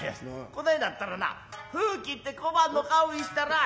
こないなったらな封切って小判の顔見したらあ。